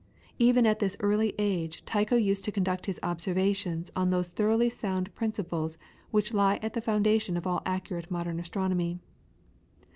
Even at this early age Tycho used to conduct his observations on those thoroughly sound principles which lie at the foundation of all accurate modern astronomy.